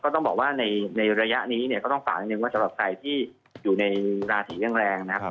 ต้องบอกว่าในระยะนี้เนี่ยก็ต้องฝากนิดนึงว่าสำหรับใครที่อยู่ในราศียังแรงนะครับ